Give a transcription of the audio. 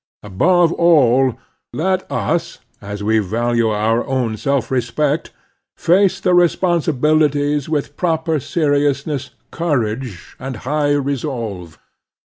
Above all, let us, as we value our own self respect, face the responsibilities with proper seriousness, courage, and high resolve.